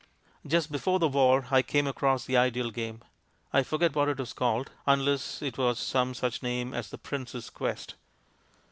Just before the war I came across the ideal game. I forget what it was called, unless it was some such name as "The Prince's Quest."